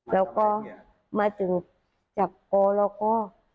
แล้วก็มาถึงจับคอแล้วก็